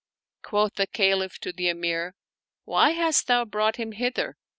Quoth the Caliph to the Emir, " Why hast thou brought him hither?